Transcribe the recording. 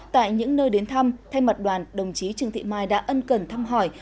tại những nơi đến thăm thay mặt đoàn đồng chí trương thị mai đã ân cần thăm hỏi